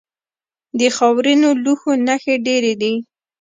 د خاورینو لوښو نښې ډیرې دي